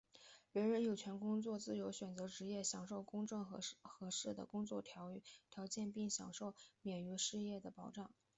人人有权工作、自由选择职业、享受公正和合适的工作条件并享受免于失业的保障。